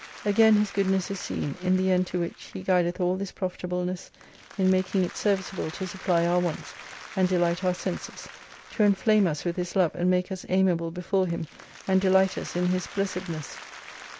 Again His goodness is seen, in the end to which He guideth all this profitableness, in making it service able to supply our wants, and delight our senses : to enflame us with His love, and make us amiable before Him, and delighters in His blessedness.